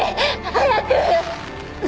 早く！